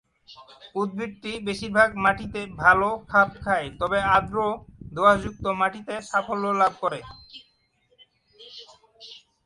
উদ্ভিদটি বেশিরভাগ মাটিতে ভাল খাপ খায় তবে আর্দ্র, দো-আঁশযুক্ত মাটিতে সাফল্য লাভ করে।